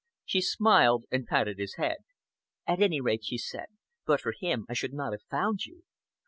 She smiled and patted his head. "At any rate," she said, "but for him I should not have found you!